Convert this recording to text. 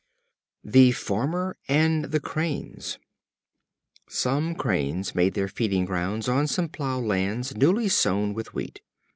The Farmer and the Cranes. Some Cranes made their feeding grounds on some plough lands newly sown with wheat.